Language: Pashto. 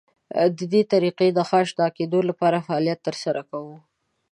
د دې طریقې د ښه اشنا کېدو لپاره فعالیت تر سره کوو.